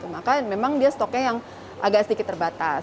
maka memang dia stoknya yang agak sedikit terbatas